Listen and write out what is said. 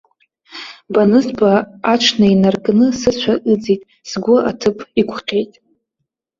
Банызба аҽны инаркны, сыцәа ыӡит, сгәы аҭыԥ иқәҟьеит.